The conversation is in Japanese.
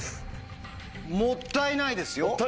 もったいないですよ？